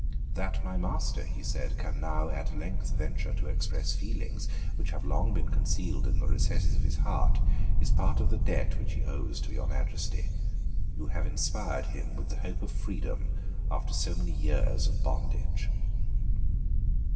"That my master," he said, "can now at length venture to express feelings which have been long concealed in the recesses of his heart, is part of the debt which he owes to Your Majesty. You have inspired him with the hope of freedom after so many years of bondage."